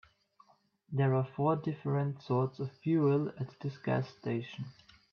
There are four different sorts of fuel at this gas station.